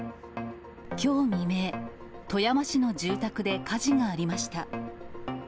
きょう未明、富山市の住宅で火事がありました。